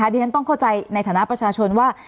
ดิฉันต้องเข้าใจในฐานะประชาชนว่า